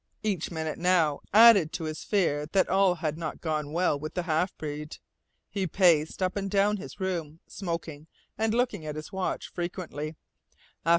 Each minute now added to his fear that all had not gone well with the half breed. He paced up and down his room, smoking, and looking at his watch frequently.